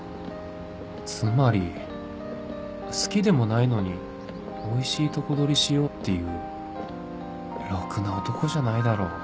つまり好きでもないのにおいしいとこ取りしようっていうろくな男じゃないだろ